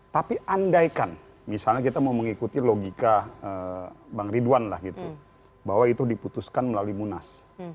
tapi andaikan misalnya kita mau mengikuti logika bang ridwan lah gitu bahwa itu diputuskan melalui munas